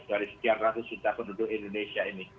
dari sekian ratus juta penduduk indonesia ini